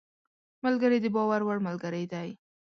ملګری د باور وړ ملګری دی